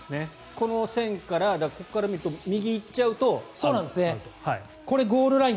この線から、ここから見ると右に行っちゃうとアウト。